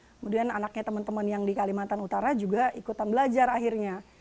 kemudian anaknya teman teman yang di kalimantan utara juga ikutan belajar akhirnya